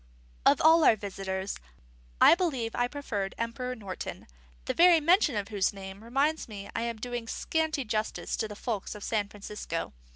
Of all our visitors, I believe I preferred Emperor Norton; the very mention of whose name reminds me I am doing scanty justice to the folks of San Francisco.